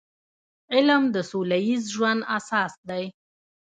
علم د سوله ییز ژوند اساس دی.